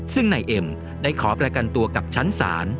ซึ่งนายเอ็มได้ขอประกันตัวกับชั้นศาล